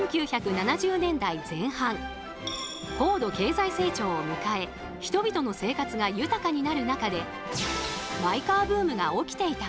高度経済成長を迎え人々の生活が豊かになる中でマイカーブームが起きていた頃。